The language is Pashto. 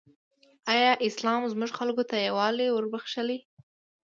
ایا اسلام زموږ خلکو ته یووالی وروباخښلی؟